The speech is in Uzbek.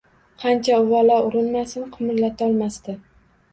Qancha uvvalo urinmasin qimirlatolmasdi.